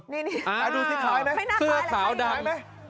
นี่อ่าดูซิคคล้ายไหมไม่น่าคล้ายเลยซื้อขาวดัง